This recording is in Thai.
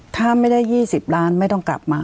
ถ้าไม่ได้๒๐ล้านไม่ต้องกลับมา